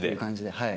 はい。